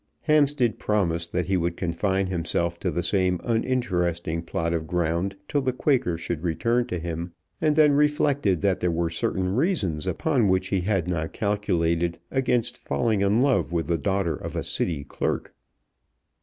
Hampstead promised that he would confine himself to the same uninteresting plot of ground till the Quaker should return to him, and then reflected that there were certain reasons upon which he had not calculated against falling in love with the daughter of a City clerk.